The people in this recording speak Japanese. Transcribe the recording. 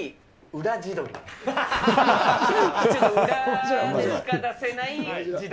裏でしか出せない地鶏。